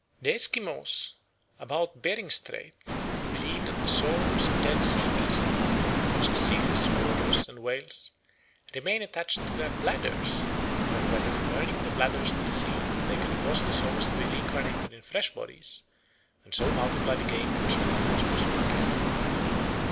The Esquimaux about Bering Strait believe that the souls of dead sea beasts, such as seals, walrus, and whales, remain attached to their bladders, and that by returning the bladders to the sea they can cause the souls to be reincarnated in fresh bodies and so multiply the game which the hunters pursue and kill.